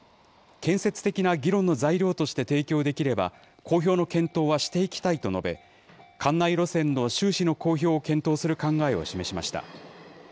建設的な議論の材料として提供できれば、公表の検討はしていきたいと述べ、管内路線の収支の公表を検討する考えを示しました。